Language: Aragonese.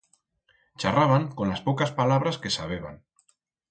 Charraban con las pocas palabras que sabeban.